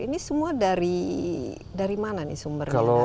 ini semua dari mana nih sumbernya